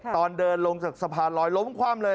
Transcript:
ตอนเดินลงจากสะพานลอยล้มคว่ำเลย